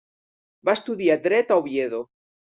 Va estudiar Dret a Oviedo.